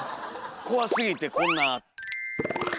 怖すぎてこんな。